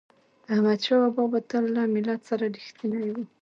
احمدشاه بابا به تل له ملت سره رښتینی و.